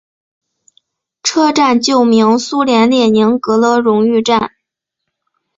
车站旧名苏联列宁格勒荣誉站。